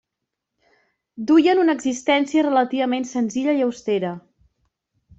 Duien una existència relativament senzilla i austera.